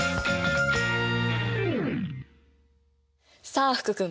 さあ福君